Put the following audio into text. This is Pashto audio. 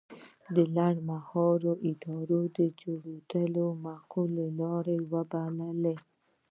د لنډمهالې ادارې جوړېدل معقوله لاره وبلله.